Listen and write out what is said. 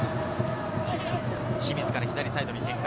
清水から左サイドに展開。